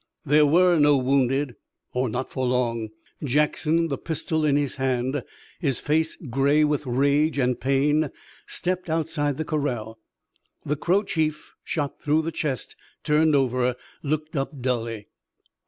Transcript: There were no wounded, or not for long. Jackson, the pistol in his hand, his face gray with rage and pain, stepped outside the corral. The Crow chief, shot through the chest, turned over, looked up dully.